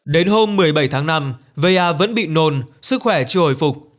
đến hôm một mươi bảy tháng năm vaya vẫn bị nồn sức khỏe chưa hồi phục